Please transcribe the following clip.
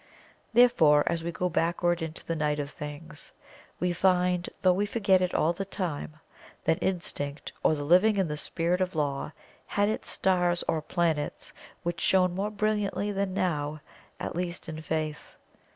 Therefore, as we go backward into the night of things, we find, though we forget it all the time, that Instinct or the living in the Spirit of Law, had its stars or planets which shone more brilliantly than now, at least in Faith.